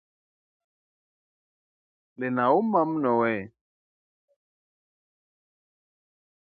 Linauma mno we